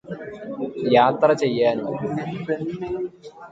യാത്ര ചെയ്യാനും